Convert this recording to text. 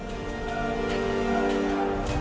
aku mau berubah menjadi pelaku